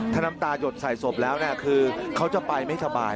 ถ้าน้ำตายดใส่ศพแล้วคือเขาจะไปไม่สบาย